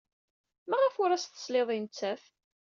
Maɣef ur as-tesliḍ i nettat?